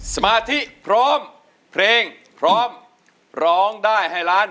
สมาธิพร้อมเพลงพร้อมร้องได้ให้ล้าน